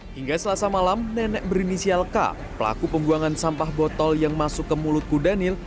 hingga selasa malam nenek berinisial k pelaku pembuangan sampah botol yang masuk ke mulut kudanil